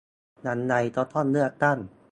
ยังไงก็ต้องเลือกตั้ง